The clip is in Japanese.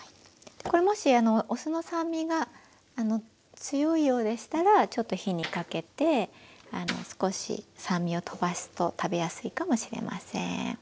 これもしお酢の酸味が強いようでしたらちょっと火にかけて少し酸味をとばすと食べやすいかもしれません。